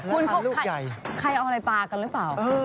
คุณพบใครเอาอะไรปากันรึเปล่า